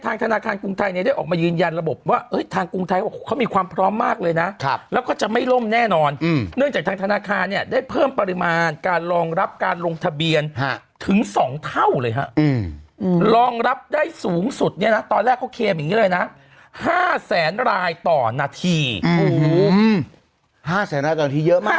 ธนาคารกรุงไทยเนี่ยได้ออกมายืนยันระบบว่าทางกรุงไทยเขาบอกเขามีความพร้อมมากเลยนะแล้วก็จะไม่ล่มแน่นอนเนื่องจากทางธนาคารเนี่ยได้เพิ่มปริมาณการรองรับการลงทะเบียนถึง๒เท่าเลยฮะรองรับได้สูงสุดเนี่ยนะตอนแรกเขาเคมอย่างนี้เลยนะ๕แสนรายต่อนาทีโอ้โห๕แสนรายต่อทีเยอะมาก